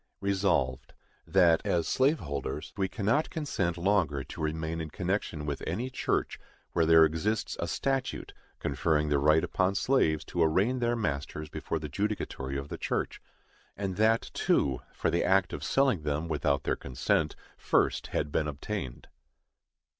Resolved, That, as slave holders, we cannot consent longer to remain in connection with any church where there exists a statute conferring the right upon slaves to arraign their masters before the judicatory of the church—and that, too, for the act of selling them without their consent first had been obtained.